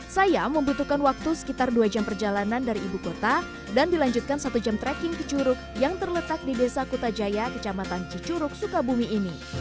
saya membutuhkan waktu sekitar dua jam perjalanan dari ibu kota dan dilanjutkan satu jam trekking ke curug yang terletak di desa kutajaya kecamatan cicuruk sukabumi ini